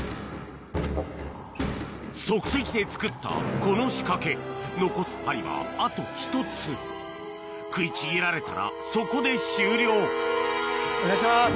即席で作ったこの仕掛け残す針はあと１つ食いちぎられたらそこで終了お願いします。